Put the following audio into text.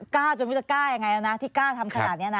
กล้าอย่างไรนะที่กล้าทำ